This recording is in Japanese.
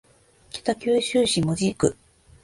北九州市門司区